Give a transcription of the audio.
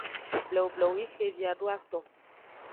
Blewu blewu yi xevi ado aton.